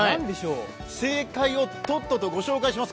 正解をとっととご紹介します。